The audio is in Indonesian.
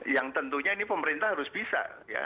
yang tentunya ini pemerintah harus bisa ya